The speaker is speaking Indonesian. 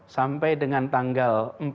sampai dengan tanggal empat